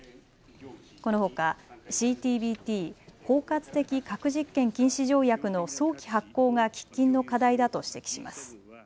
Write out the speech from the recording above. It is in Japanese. このほか、ＣＴＢＴ・包括的核実験禁止条約の早期発効が喫緊の課題だと指摘します。